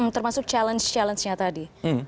termasuk challenge challenge nya tadi